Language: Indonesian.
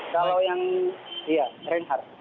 kalau yang iya renhar